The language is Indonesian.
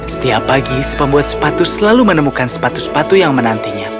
setiap pagi si pembuat sepatu selalu menemukan sepatu sepatu yang menantinya